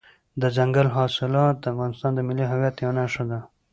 دځنګل حاصلات د افغانستان د ملي هویت یوه نښه ده.